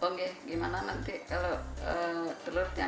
oke gimana nanti kalau telur yang ganti dengan ayam